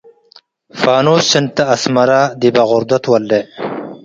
ፋኑስ እንት” አስመረ ዲብ አጎርደት ትወሌዕ።